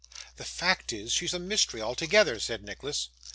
'The fact is, she's a mystery altogether,' said Nicholas.